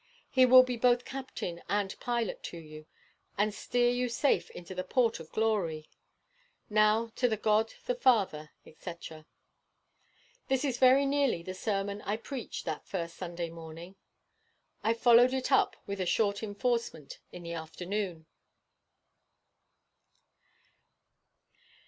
He will be both captain and pilot to you, and steer you safe into the port of glory. Now to God the Father," &c. This is very nearly the sermon I preached that first Sunday morning. I followed it up with a short enforcement in the afternoon.